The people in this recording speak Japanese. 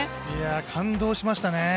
感動しましたね。